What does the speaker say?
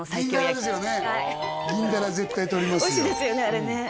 あれね